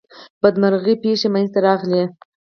بدمرغي پیښی منځته راغلې.